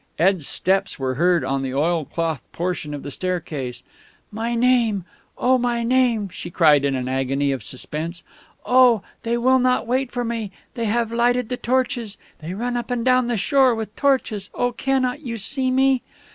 Ed's steps were heard on the oilclothed portion of the staircase. "My name oh, my name!" she cried in an agony of suspense.... "Oh, they will not wait for me! They have lighted the torches they run up and down the shore with torches oh, cannot you see me?..."